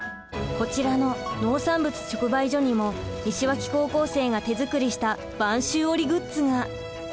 こちらの農産物直売所にも西脇高校生が手作りした播州織グッズが。